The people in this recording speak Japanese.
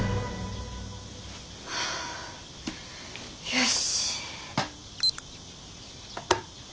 よし。